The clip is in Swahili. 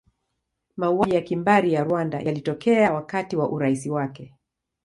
Mauaji ya kimbari ya Rwanda yalitokea wakati wa urais wake.